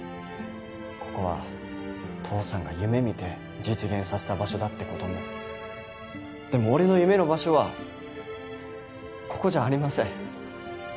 ここは父さんが夢見て実現させた場所だってこともでも俺の夢の場所はここじゃありません